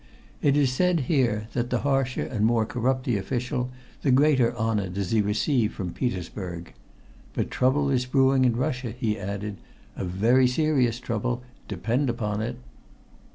It is said here that the harsher and more corrupt the official, the greater honor does he receive from Petersburg. But trouble is brewing for Russia," he added. "A very serious trouble depend upon it."